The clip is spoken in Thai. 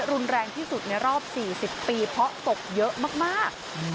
รุนแรงที่สุดในรอบ๔๐ปีเพราะตกเยอะมาก